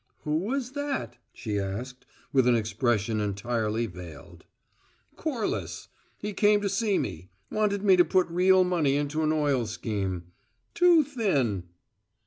"Who was that?" she asked, with an expression entirely veiled. "Corliss. He came to see me; wanted me to put real money into an oil scheme. Too thin!"